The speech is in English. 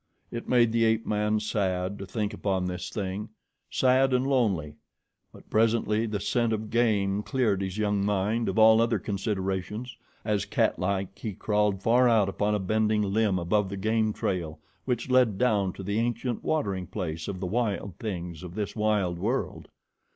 It made the ape man sad to think upon this thing, sad and lonely; but presently the scent of game cleared his young mind of all other considerations, as catlike he crawled far out upon a bending limb above the game trail which led down to the ancient watering place of the wild things of this wild world.